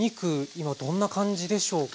今どんな感じでしょうか？